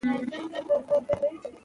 که قاموس وي نو مانا نه ورکیږي.